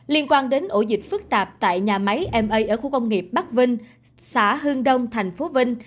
liên quan đến ổ dịch phức tạp tại nhà máy ma ở khu công nghiệp bắc vân xã hương đông tp vinh